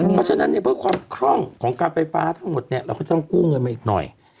เพราะฉะนั้นเนี่ยเพื่อความคล่องของการไฟฟ้าทั้งหมดเนี่ยเราก็ต้องกู้เงินมาอีกหน่อย